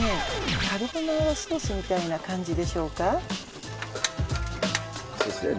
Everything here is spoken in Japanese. カルボナーラソースみたいな感じでしょうか？